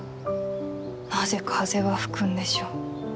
なぜ風は吹くんでしょう。